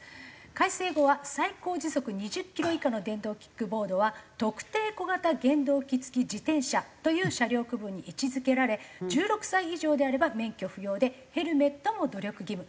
改正後は最高時速２０キロ以下の電動キックボードは特定小型原動機付自転車という車両区分に位置付けられ１６歳以上であれば免許不要でヘルメットも努力義務。